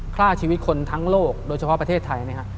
ฆ่าชีวิตคนทั้งโลกโดยเฉพาะประเทศไทยนะครับ